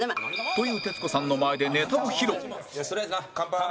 という徹子さんの前でネタを披露乾杯！